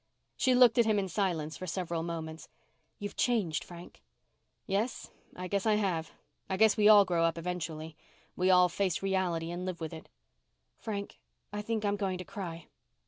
She looked at him in silence for several moments. "You've changed, Frank." "Yes, I guess I have. I guess we all grow up eventually. We all face reality and live with it." "Frank I think I'm going to cry."